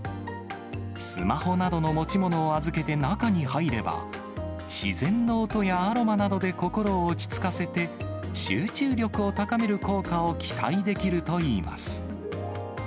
スマホなどの持ち物を預けて中に入れば、自然の音やアロマなどで心を落ち着かせて、集中力を高める効果を期待できるといいます。